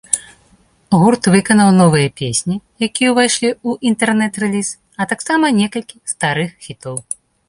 Гурт выканаў новыя песні, якія ўвайшлі ў інтэрнэт-рэліз, а таксама некалькі старых хітоў.